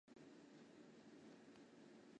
这些地区由协约国和美国军队占领。